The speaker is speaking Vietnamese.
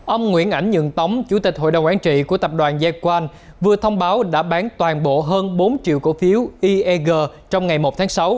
ông nguyễn ảnh dường tống chủ tịch hội đồng quản trị của tập đoàn gia quang vừa thông báo đã bán toàn bộ hơn bốn triệu cổ phiếu ieg trong ngày một tháng sáu